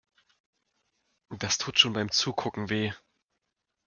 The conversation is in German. Das tut schon beim Zugucken weh.